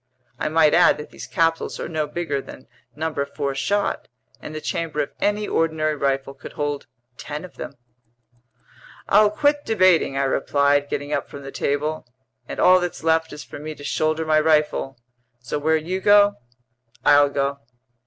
I might add that these capsules are no bigger than number 4 shot, and the chamber of any ordinary rifle could hold ten of them." "I'll quit debating," I replied, getting up from the table. "And all that's left is for me to shoulder my rifle. So where you go, I'll go."